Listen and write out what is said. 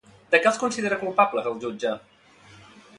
De què els considera culpables el jutge?